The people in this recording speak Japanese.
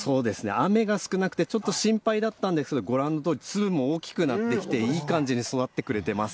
雨が少なくて、ちょっと心配だったんですけど、ご覧のとおり、粒も大きくなってきて、いい感じに育ってくれています。